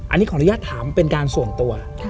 อันนี้ขออนุญาตถามเป็นการส่วนตัว